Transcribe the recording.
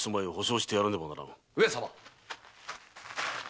・上様！